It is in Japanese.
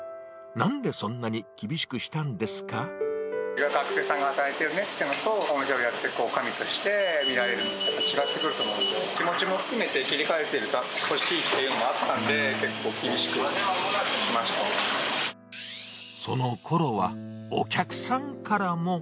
なんでそんなに厳しくしたん学生さんが働いてるのと、お店をやっていくおかみとして見られるのはやっぱり違ってくると思うんで、気持ちも含めて、切り替えてほしいっていうのもあったんで、そのころは、お客さんからも。